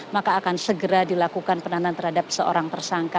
maka akan segera dilakukan penahanan terhadap seorang tersangka